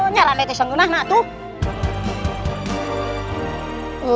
nyala netizen dulu lah itu